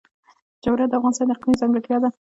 جواهرات د افغانستان د اقلیم ځانګړتیا ده.